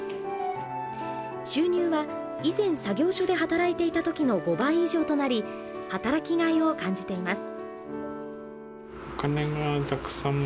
収入は以前作業所で働いていた時の５倍以上となり働きがいを感じています。